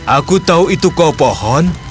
aku tahu itu kau pohon